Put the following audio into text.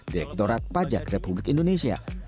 direktorat pajak republik indonesia